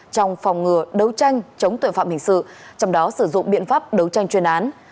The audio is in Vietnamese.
trong phòng ngừa đấu tranh chống tội phạm hình sự trong đó sử dụng biện pháp đấu tranh chuyên án